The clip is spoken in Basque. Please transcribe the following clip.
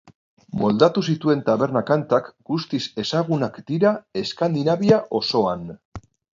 Moldatu zituen taberna-kantak guztiz ezagunak dira Eskandinavia osoan.